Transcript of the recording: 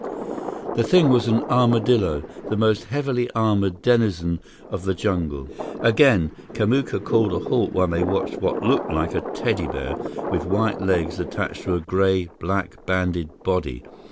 The thing was an armadillo, the most heavily armored denizen of the jungle. Again, Kamuka called a halt while they watched what looked like a Teddy bear with white legs attached to a gray, black banded body.